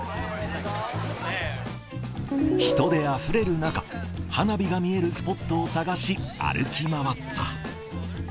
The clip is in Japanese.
人であふれる中、花火が見えるスポットを探し、歩き回った。